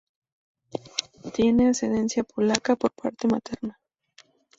Tiene ascendencia polaca por parte materna.